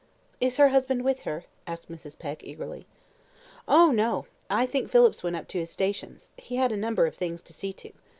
"Is her husband with her?" asked Mrs. Peck, eagerly. "Oh, no! I think Phillips went up to his stations; he had a number of things to see to.